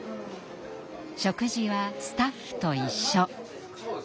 食事はスタッフと一緒。